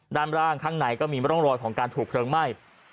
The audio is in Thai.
ด้านล่างข้างในก็มีร่องรอยของการถูกเพลิงไหม้